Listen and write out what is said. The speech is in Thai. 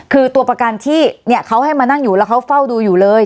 คือตัวประกันที่เนี่ยเขาให้มานั่งอยู่แล้วเขาเฝ้าดูอยู่เลย